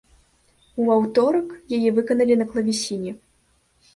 У аўторак яе выканалі на клавесіне.